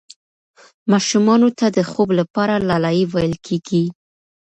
ماشومانو ته د خوب لپاره لالايي ویل کېږي.